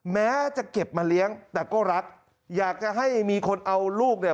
แม้จะเก็บมาเลี้ยงแต่ก็รักอยากจะให้มีคนเอาลูกเนี่ย